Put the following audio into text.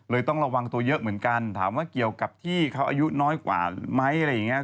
ต้องระวังตัวเยอะเหมือนกันถามว่าเกี่ยวกับที่เขาอายุน้อยกว่าไหมอะไรอย่างนี้